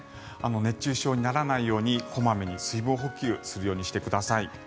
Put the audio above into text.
熱中症にならないように小まめに水分補給をするようにしてください。